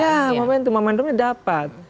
ya momentumnya dapat